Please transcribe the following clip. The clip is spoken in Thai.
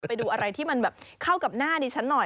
ไปดูอะไรที่เข้ากับหน้าดีฉันหน่อย